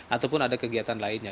ataupun ada kegiatan lainnya